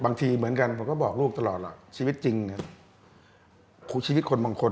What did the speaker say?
บางทีเหมือนกันผมก็บอกลูกตลอดล่ะชีวิตจริงเนี่ยคือชีวิตคนบางคน